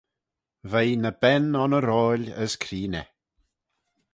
V'ee ny ben onnoroil as creeney.